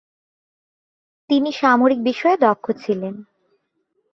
তিনি সামরিক বিষয়ে দক্ষ ছিলেন।